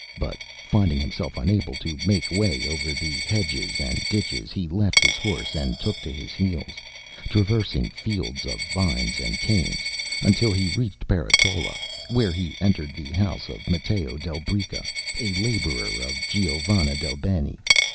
But finding himself unable to make way over the hedges and ditches, he left his horse and took to his heels, traversing fields of vines and canes, until he reached Peretola, where he entered the house of Matteo del Bricca, a labourer of Giovanna del Bene.